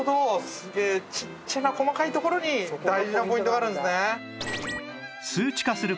すげえちっちゃな細かいところに大事なポイントがあるんですね。